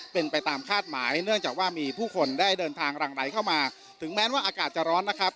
เป็นไปตามคาดหมายเนื่องจากว่ามีผู้คนได้เดินทางรังไหลเข้ามาถึงแม้ว่าอากาศจะร้อนนะครับ